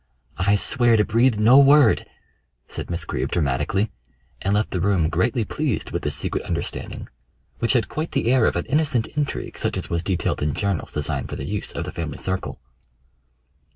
"I swear to breathe no word," said Miss Greeb dramatically, and left the room greatly pleased with this secret understanding, which had quite the air of an innocent intrigue such as was detailed in journals designed for the use of the family circle.